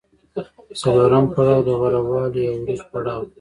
څلورم پړاو د غوره والي یا عروج پړاو دی